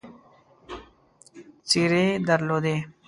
څېرې درلودې.